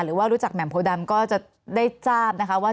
หรือว่ารู้จักแม่มโพดัมก็จะได้จ้าบว่า